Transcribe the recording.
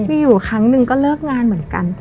มีอยู่ครั้งหนึ่งก็เลิกงานเหมือนกัน